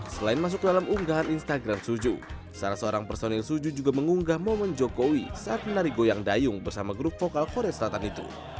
selain masuk dalam unggahan instagram suju salah seorang personil suju juga mengunggah momen jokowi saat menari goyang dayung bersama grup vokal korea selatan itu